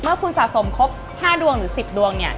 เมื่อคุณสะสมครบ๕ดวงหรือ๑๐ดวงเนี่ย